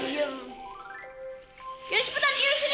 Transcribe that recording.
yudian cepetan yudian sini